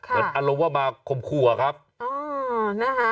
อารมณ์ว่ามาคมครัวครับอ๋อนะฮะ